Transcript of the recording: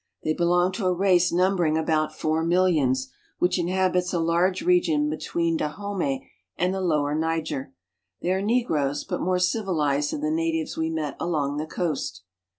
FThey belong to a race numbering about four millions, I which inhabits a large region between Dahomey and the I Lower Niger. They are negroes, but more civilized than I the natives we met along the coast.